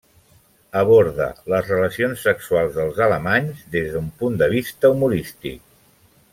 Aborda les relacions sexuals dels alemanys des d'un punt de vista humorístic.